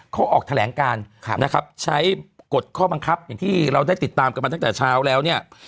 เขาออกแถลงการใช้กฎข้อบังคับอย่างที่เราได้ติดตามกับมันตั้งแต่เช้าแล้ว